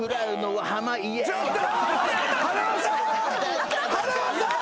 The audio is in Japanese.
ちょっと！